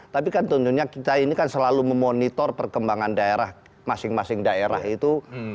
tapi kan tentunya kita ini kan selalu memonitor perkembangan daerah masing masing daerah itu